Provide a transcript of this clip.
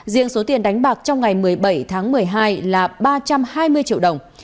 riêng số tiền đánh bạc trong ngày một mươi bảy tháng một mươi hai là ba trăm hai mươi triệu đồng